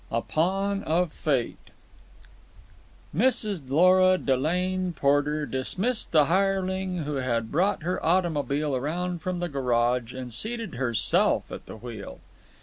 A Pawn of Fate Mrs. Lora Delane Porter dismissed the hireling who had brought her automobile around from the garage and seated herself at the wheel.